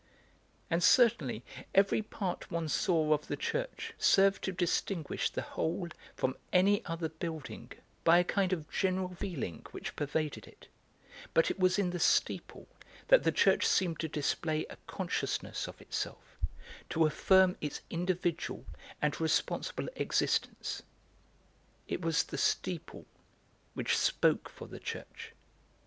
And certainly every part one saw of the church served to distinguish the whole from any other building by a kind of general feeling which pervaded it, but it was in the steeple that the church seemed to display a consciousness of itself, to affirm its individual and responsible existence. It was the steeple which spoke for the church.